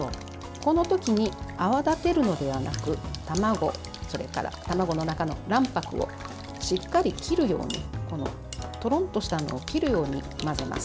この時に泡立てるのではなく卵、それから卵の中の卵白をしっかり切るようにとろんとしたのを切るように混ぜます。